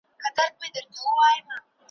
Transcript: هم پردې سي هم غلیم د خپل تربور وي ,